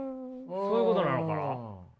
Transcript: そういうことなのかな。